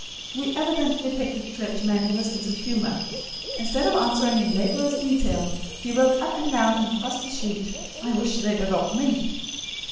We evidently picked a clergyman with a sense of humor. Instead of answering in laborious detail, he wrote up and down and across the sheet, "I wish they'd adopt me!"